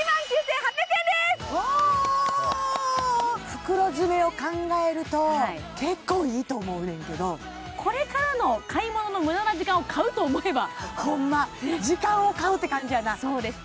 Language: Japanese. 袋詰めを考えると結構いいと思うねんけどこれからの買い物の無駄な時間を買うと思えばホンマ時間を買うって感じやなそうです